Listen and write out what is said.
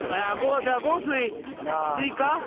じゃあ悟水追加？